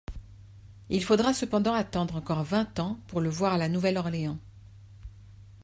Il faudra cependant attendre encore vingt ans pour le voir à la Nouvelle-Orléans.